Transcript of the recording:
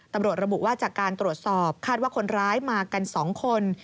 ตำรวจระบุว่าจากการตรวจสอบคาดว่าคนร้ายมากัน๒คน